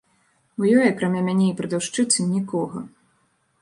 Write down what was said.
У ёй, акрамя мяне і прадаўшчыцы, нікога.